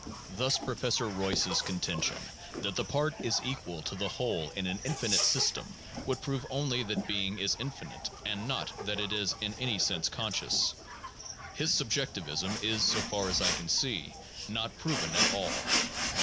3 Thus Professor Royce's contention that the part is equal to the whole in an infinite system, would prove only that being is infinite, and not that it is in any sense conscious. His subjectivism is, so far as I can see, not proven at all.